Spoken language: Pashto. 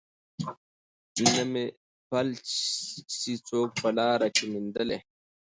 نه مي پل سي څوک په لاره کي میندلای